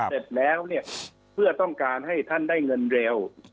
เสร็จแล้วเนี่ยเพื่อต้องการให้ท่านได้เงินเร็ว